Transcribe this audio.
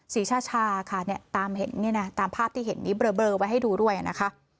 สีชาค่ะตามภาพที่เห็นนี้เบลอไว้ให้ดูด้วยนะคะ